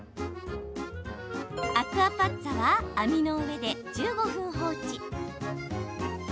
アクアパッツァは網の上で１５分放置。